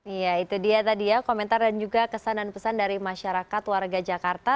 iya itu dia tadi ya komentar dan juga kesan dan pesan dari masyarakat warga jakarta